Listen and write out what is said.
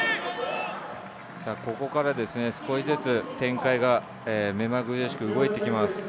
ここから少しずつ展開が目まぐるしく動いていきます。